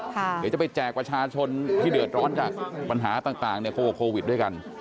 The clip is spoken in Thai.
เดี๋ยวจะไปแจกประชาชนที่เดือดร้อนจากปัญหาต่างโควิดด้วยกัน